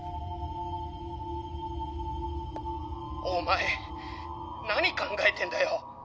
お前何考えてんだよ！